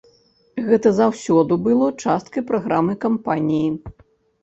Гэта заўсёды было часткай праграмы кампаніі.